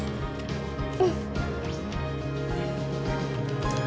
うん？